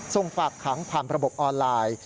ทรงฝากขังความประบบออนไลน์